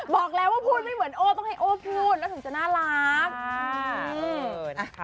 บอกแล้วว่าพูดไม่เหมือนโอ้ต้องให้โอ้พูดแล้วถึงจะน่ารัก